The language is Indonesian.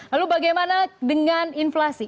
lalu bagaimana dengan inflasi